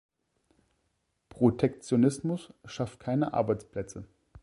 Protektionismus schafft keine Arbeitsplätze.